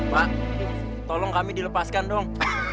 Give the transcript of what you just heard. pak tolong kami dilepaskan dong